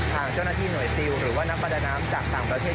ทางเจ้าหน้าที่หน่วยซิลหรือว่านักประดาน้ำจากต่างประเทศ